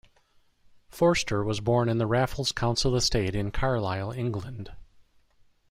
Forster was born in the Raffles council estate in Carlisle, England.